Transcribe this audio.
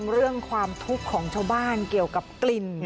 เรื่องความทุกข์ของชาวบ้านเกี่ยวกับกลิ่น